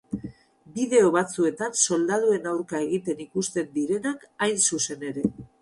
Bideo batzuetan soldaduen aurka egiten ikusten direnak, hain zuzen ere.